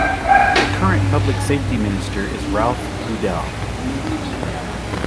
The current public safety minister is Ralph Goodale.